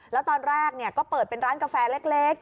แล้วตอนแรกก็เปิดเป็นร้านกาแฟเล็ก